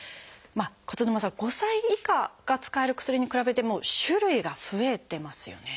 勝沼さん５歳以下が使える薬に比べても種類が増えてますよね。